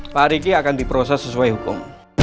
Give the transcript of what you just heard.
pada hari ini akan diproses sesuai hukum